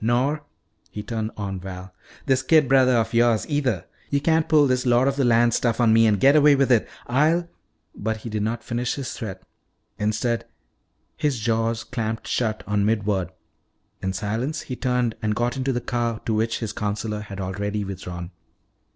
Nor," he turned on Val, "this kid brother of yours, either. You can't pull this lord of the land stuff on me and get away with it. I'll " But he did not finish his threat. Instead, his jaws clamped shut on mid word. In silence he turned and got into the car to which his counselor had already withdrawn.